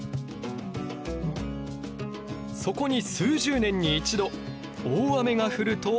そこに数十年に一度大雨が降ると。